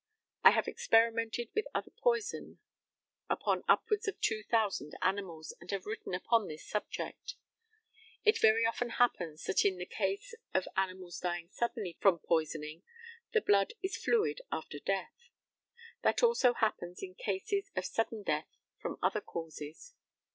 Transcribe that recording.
I have experimented with other poison upon upwards of two thousand animals, and have written upon this subject. It very often happens that in the case of animals dying suddenly from poisoning the blood is fluid after death. That also happens in cases of sudden death from other causes.